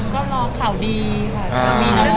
ก็มาเรื่อยเลยนะคะ